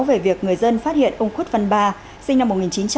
về việc người dân phát hiện ông khuất văn ba sinh năm một nghìn chín trăm sáu mươi bảy